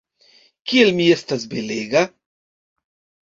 Kiel mi estas belega!